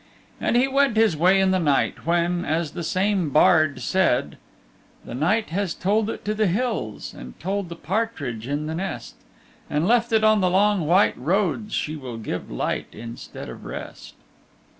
And he went his way in the night, when, as the same bard said: The night has told it to the hills, And told the partridge in the nest, And left it on the long white roads, She will give light instead of rest.